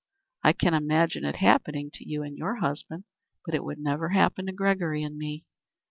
I can imagine it happening to you and your husband. But it would never happen to Gregory and me.